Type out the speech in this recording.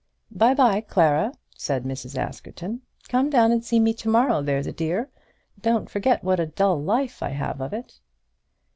"By bye, Clara," said Mrs. Askerton; "come down and see me to morrow, there's a dear. Don't forget what a dull life I have of it."